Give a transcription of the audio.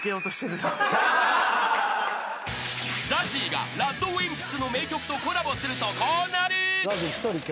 ［ＺＡＺＹがＲＡＤＷＩＭＰＳの名曲とコラボするとこうなる］